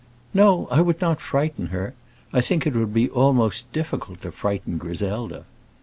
"No; I would not frighten her. I think it would be almost difficult to frighten Griselda."